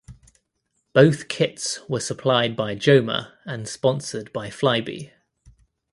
Both kits were supplied by Joma and sponsored by Flybe.